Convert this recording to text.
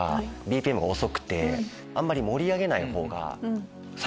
あんまり盛り上げない方が。